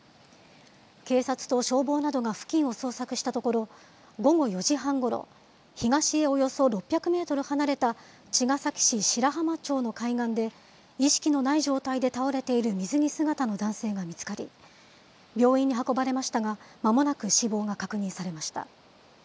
警察と消防などが付近を捜索したところ、午後４時半ごろ、東へおよそ６００メートル離れた茅ヶ崎市白浜町の海岸で、意識のない状態で倒れている水着姿の男性が見つかり、病院に運ばれましたが、まもなく死亡が確認されました。